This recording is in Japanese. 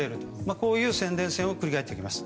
こういう宣伝戦を繰り広げていきます。